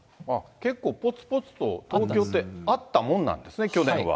結構ぽつぽつと、東京ってあったもんなんですね、去年は。